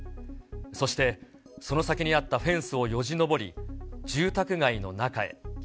そして、その先にあったフェンスをよじ登り、住宅街の中へ。